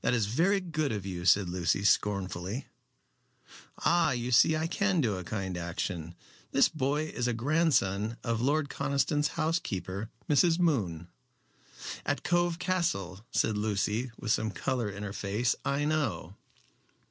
"That is very good of you," said Lucy, scornfully. "Ah, you see I can do a kind action. This boy is a grandson of Lord Conniston's housekeeper, Mrs. Moon." "At Cove Castle," said Lucy, with some color in her face. "I know."